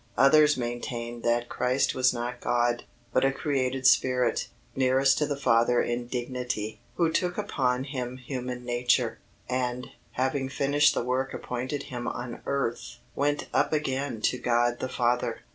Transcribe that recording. Others maintained that Christ was not God, but a created spirit, nearest to the Father in dignity, who took upon Him human nature, and, having finished the work appointed Him on earth, went up again to God the Father.